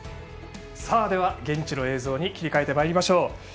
現地の映像に切り替えてまいりましょう。